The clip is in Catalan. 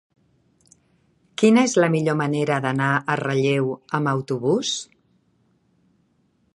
Quina és la millor manera d'anar a Relleu amb autobús?